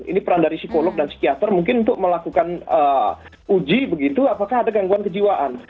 ini peran dari psikolog dan psikiater mungkin untuk melakukan uji begitu apakah ada gangguan kejiwaan